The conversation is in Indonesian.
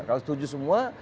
kalau setuju semua